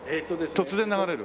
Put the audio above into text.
突然流れる？